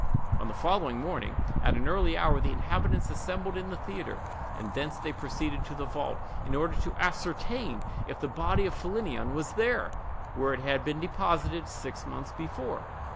On the following morning, at an early hour, the inhabitants assembled in the theatre, and thence they proceeded to the vault, in order to ascertain if the body of Philinnion was where it had been deposited six months before.